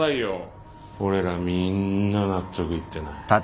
俺らみんな納得いってない。